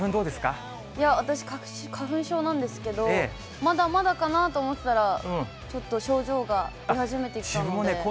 私、花粉症なんですけど、まだまだかなと思ってたら、ちょっと症状が出始めてきたので。